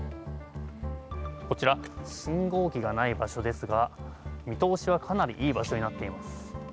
こちら信号機がない場所ですが見通しはかなりいい場所になっています。